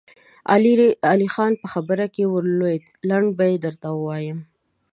علی خان په خبره کې ور ولوېد: لنډه به يې درته ووايم.